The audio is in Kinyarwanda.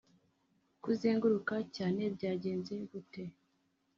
kuzenguruka cyane byangenze gute